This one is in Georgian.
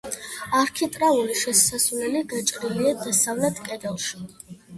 არქიტრავული შესასვლელი გაჭრილია დასავლეთ კედელში.